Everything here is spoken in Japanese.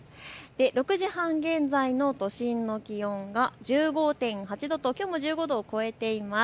６時半現在の都心の気温が１５．８度ときょうも１５度を超えています。